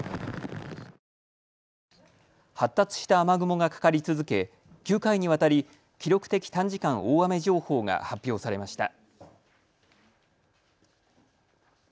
発達した雨雲がかかり続け９回にわたり記録的短時間大雨情報が発表されました。